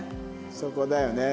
そこだよね。